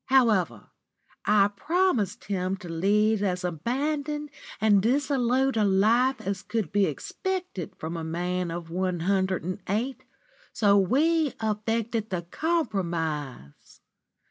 However, I promised him to lead as abandoned and dissolute a life as could be expected from a man of one hundred and eight, so we effected the compromise.